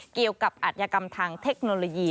เกี่ยวกับอัตยกรรมทางเทคโนโลยี